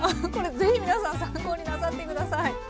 これぜひ皆さん参考になさって下さい。